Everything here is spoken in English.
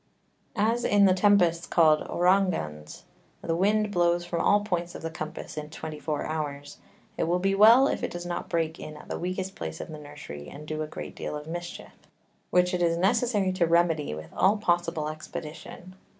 As in the Tempests called Ouragans the Wind blows from all Points of the Compass in twenty four Hours, it will be well if it does not break in at the weakest Place of the Nursery, and do a great deal of Mischief, which it is necessary to remedy with all possible expedition.